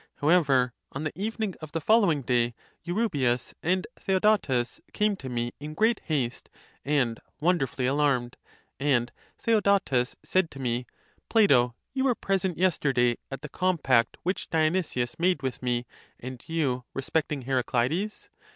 However, on the evening of the following day, Kurybius and Theodotes came to me in great haste and wonderfully alarmed; and Theodotes said to me, Plato, you were present yesterday at the compact which Dionysius made with me and you respecting Heracleides?